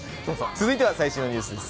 続いては最新のニュースです。